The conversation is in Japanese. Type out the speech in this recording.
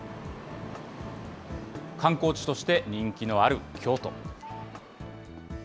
観光地として人気のある京都。